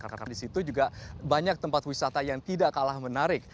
karena di situ juga banyak tempat wisata yang tidak kalah menarik